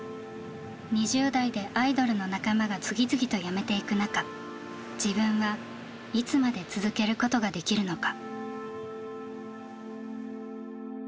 ２０代でアイドルの仲間が次々と辞めていく中自分はいつまで続けることができるのか。